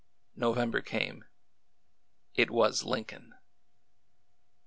November came. It was Lincoln